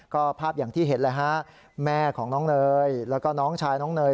ก็ภาพอย่างที่เห็นเลยฮะแม่ของน้องเนยแล้วก็น้องชายน้องเนย